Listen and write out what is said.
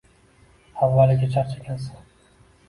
Avvaliga Charchagansan